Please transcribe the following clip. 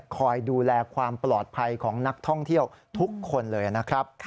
คอยดูแลความปลอดภัยของนักท่องเที่ยวทุกคนเลยนะครับ